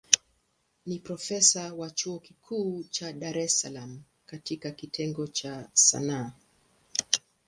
Ni profesa wa chuo kikuu cha Dar es Salaam katika kitengo cha Sanaa.